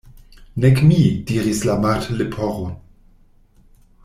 "Nek mi," diris la Martleporo.